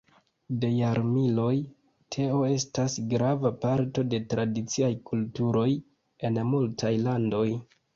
De jarmiloj teo estas grava parto de tradiciaj kulturoj en multaj landoj.